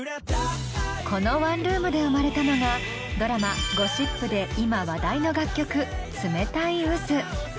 このワンルームで生まれたのがドラマ「ゴシップ」で今話題の楽曲「冷たい渦」。